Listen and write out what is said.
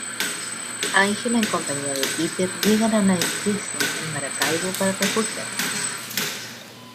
Angela en compañía de Peter llegan a una iglesia en Maracaibo para refugiarse.